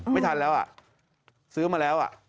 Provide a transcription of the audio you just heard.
ไม่ทันแล้วอ่ะซื้อมาแล้ว